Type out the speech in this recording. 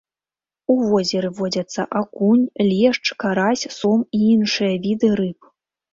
У возеры водзяцца акунь, лешч, карась, сом і іншыя віды рыб.